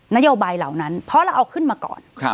นโยบายเหล่านั้นเพราะเราเอาขึ้นมาก่อน